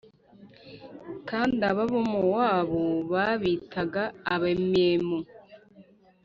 kandi Abamowabu babitaga Abemimu.